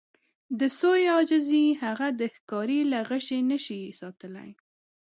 د سویې عاجزي هغه د ښکاري له غشي نه شي ساتلی.